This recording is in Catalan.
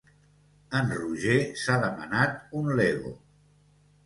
En Roger s'ha demanat un lego.